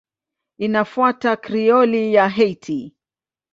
Inafuata Krioli ya Haiti.